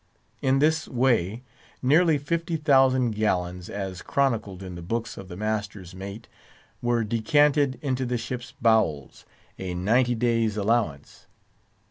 In this way nearly fifty thousand gallons, as chronicled in the books of the master's mate, were decanted into the ship's bowels—a ninety day's allowance.